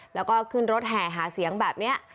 แล้วก็ขึ้นรถแห่หาเสียงแบบนี้